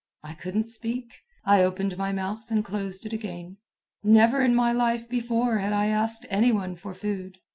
I couldn't speak. I opened my mouth and closed it again. Never in my life before had I asked any one for food.